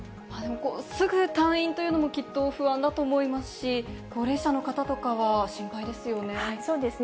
すぐ退院というのもきっと不安だと思いますし、高齢者の方とかは心配ですよね。